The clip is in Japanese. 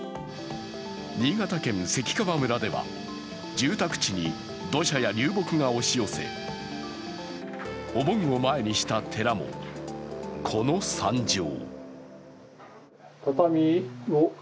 新潟県関川村では住宅地に土砂や流木が押し寄せお盆を前にした寺も、この惨状。